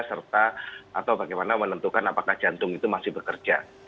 serta atau bagaimana menentukan apakah jantung itu masih bekerja